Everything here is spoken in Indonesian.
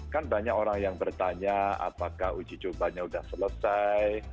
kan banyak orang yang bertanya apakah uji cobanya sudah selesai